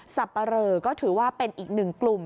สับปะเรอก็ถือว่าเป็นอีกหนึ่งกลุ่ม